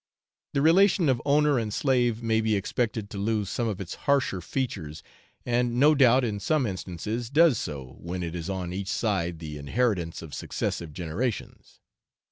The relation of owner and slave may be expected to lose some of its harsher features, and, no doubt, in some instances, does so, when it is on each side the inheritance of successive generations.